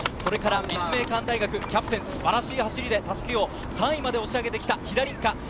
立命館大学のキャプテンは素晴らしい走りで３位まで押し上げてきた飛田凜香。